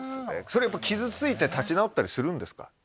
それやっぱ傷ついて立ち直ったりするんですか？